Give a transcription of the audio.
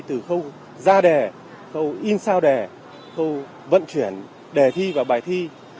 từ khâu ra đề khâu in sao đề khâu vận chuyển đề thi và bài thi